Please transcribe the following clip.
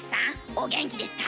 お元気ですか？